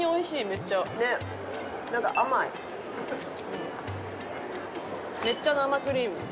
めっちゃ生クリーム。